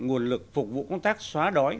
nguồn lực phục vụ công tác xóa đói